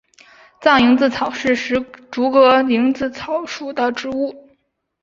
藏蝇子草是石竹科蝇子草属的植物。